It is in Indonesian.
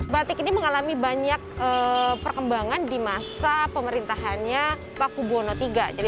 seribu tujuh ratus lima puluh lima batik ini mengalami banyak perkembangan di masa pemerintahannya pakubwono tiga jadi